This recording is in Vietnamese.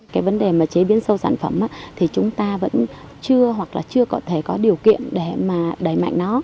cái vấn đề mà chế biến sâu sản phẩm thì chúng ta vẫn chưa hoặc là chưa có thể có điều kiện để mà đẩy mạnh nó